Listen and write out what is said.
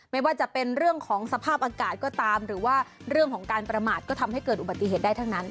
ไม่ว่าจะเป็นเรื่องของสภาพอากาศก็ตามหรือว่าเรื่องของการประมาทก็ทำให้เกิดอุบัติเหตุได้ทั้งนั้น